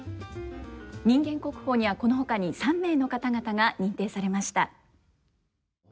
人間国宝にはこのほかに３名の方々が認定されました。